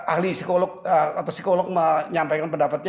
ahli psikolog atau psikolog menyampaikan pendapatnya